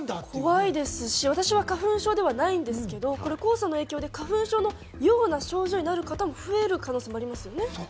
怖いですし、私は花粉症じゃないですけど、黄砂の影響で花粉症のような症状になる方も増えるということですね。